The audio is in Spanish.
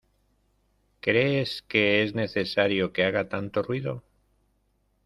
¿Crees que es necesario que haga tanto ruido?